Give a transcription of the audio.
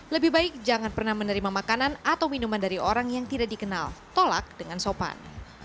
lebih baik jangan pernah menerima makanan atau minuman dari orang yang tidak dikenal tolak dengan sopan